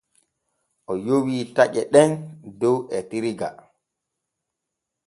O yowi taƴe ɗen dow etirga.